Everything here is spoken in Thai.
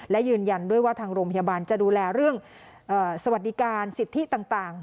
และยืนยันด้วยว่าทางโรงพยาบาลจะดูแลเรื่องสวัสดิการสิทธิต่าง